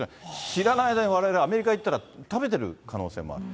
知らない間にわれわれアメリカ行ったら食べてる可能性もある。